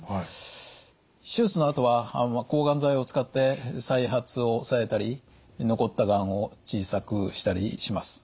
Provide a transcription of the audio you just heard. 手術のあとは抗がん剤を使って再発を抑えたり残ったがんを小さくしたりします。